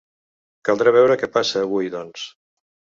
Caldrà veure què passa avui, doncs.